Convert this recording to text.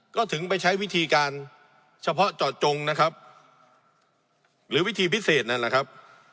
ก็ถึงไปใช้วิธีการเฉพาะเจาะจงนะครับหรือวิธีพิเศษนั่นแหละครับ